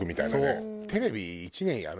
そう。